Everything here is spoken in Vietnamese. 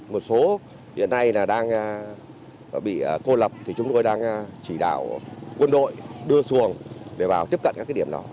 một số hiện nay là đang bị cô lập thì chúng tôi đang chỉ đạo quân đội đưa xuồng để vào tiếp cận các cái điểm đó